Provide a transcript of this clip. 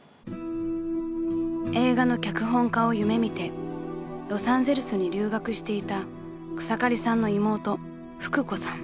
［映画の脚本家を夢見てロサンゼルスに留学していた草刈さんの妹福子さん］